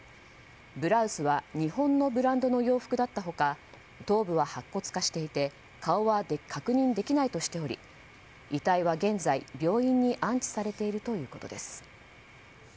ブラウスは日本のブランドの洋服だった他頭部は白骨化していて顔は確認できないとしており遺体は現在、病院に安置されているということです。